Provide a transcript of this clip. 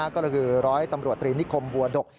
ก็คือร้อยตำรวจตรีนิคมบัวดก